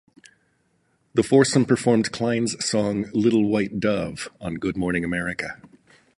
The foursome performed Klein's song 'Little White Dove' on Good Morning America.